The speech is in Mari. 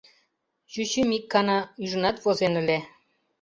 Чӱчӱм ик гана ӱжынат возен ыле.